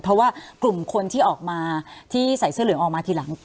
เพราะว่ากลุ่มคนที่ออกมาที่ใส่เสื้อเหลืองออกมาทีหลัง